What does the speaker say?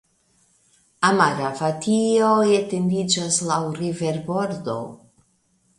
Amaravatio etendiĝas laŭ riverbordo.